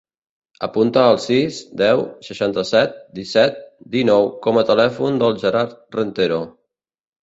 Apunta el sis, deu, seixanta-set, disset, dinou com a telèfon del Gerard Rentero.